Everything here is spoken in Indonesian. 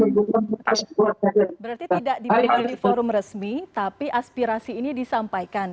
berarti tidak dimiliki di forum resmi tapi aspirasi ini disampaikan